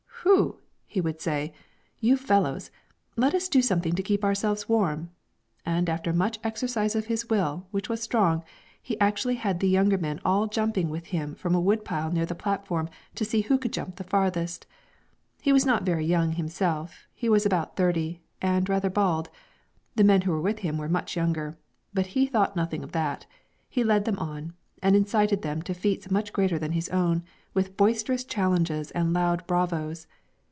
'Whew!' he would say, 'you fellows, let us do something to keep ourselves warm.' And after much exercise of his will, which was strong, he actually had the younger men all jumping with him from a wood pile near the platform to see who could jump farthest. He was not very young himself; he was about thirty, and rather bald; the men who were with him were much younger, but he thought nothing of that. He led them on, and incited them to feats much greater than his own, with boisterous challenges and loud bravos.